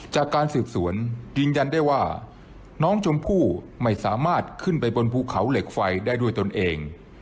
จากการสืบสวนยืนยันได้ว่าน้องชมพู่ไม่สามารถขึ้นไปบนภูเขาเหล็กไฟได้ด้วยตนเอง